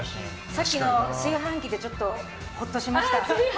さっきの炊飯器でほっとしました。